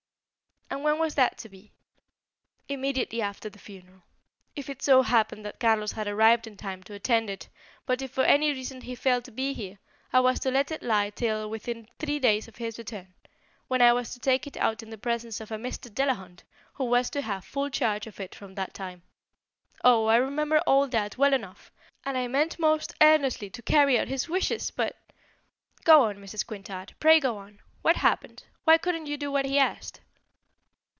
"And when was that to be?" "Immediately after the funeral, if it so happened that Carlos had arrived in time to attend it. But if for any reason he failed to be here, I was to let it lie till within three days of his return, when I was to take it out in the presence of a Mr. Delahunt who was to have full charge of it from that time. Oh, I remember all that well enough! and I meant most earnestly to carry out his wishes, but " "Go on, Mrs. Quintard, pray go on. What happened? Why couldn't you do what he asked?"